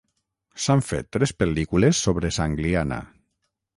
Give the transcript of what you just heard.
S'han fet tres pel·lícules sobre Sangliana.